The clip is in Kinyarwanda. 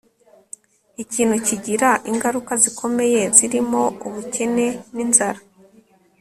ikintu kigira ingaruka zikomeye zirimo ubukene n' inzara